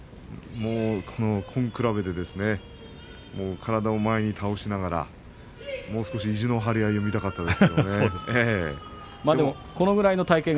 根比べで、体を前に倒しながらもう少し意地の張り合いを見たかったです。